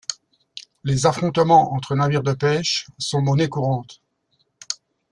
Les affrontements entre navires de pêches sont monnaie courante.